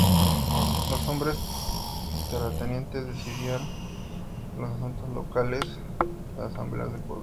Los hombres terratenientes decidían loa asuntos locales en asambleas del pueblo.